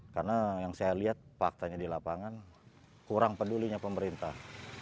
kalau saya lihat faktanya di lapangan kurang pedulinya pemerintah